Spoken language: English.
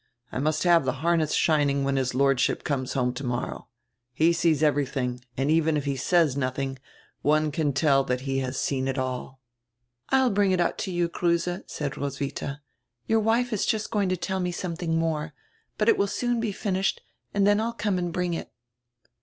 I must have die harness shining when his Lord ship conies home tomorrow. He sees everything, and even if he says notiiing, one can tell tiiat he has seen it all." "I'll bring it out to you, Kruse," said Roswidia. "Your wife is just going to tell me somediing more; but it will soon be finished and dien I'll come and bring it."